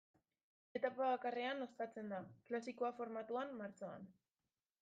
Etapa bakarrean ospatzen da, klasikoa formatuan, martxoan.